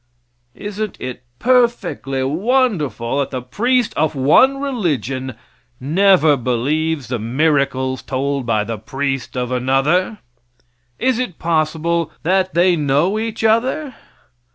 Isn't it perfectly wonderful that the priest of one religion never believes the miracles told by the priest of another? Is it possible that they know each other?